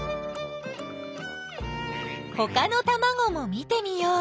ほかのたまごも見てみよう！